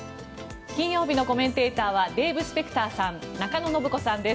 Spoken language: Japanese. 金曜日のコメンテーターはデーブ・スペクターさん中野信子さんです。